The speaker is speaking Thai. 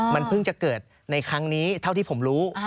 มันเพิ่งจะเกิดในครั้งนี้เท่าที่ผมรู้